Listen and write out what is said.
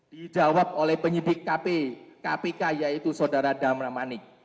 dijawab oleh penyidik kpk yaitu saudara damra manik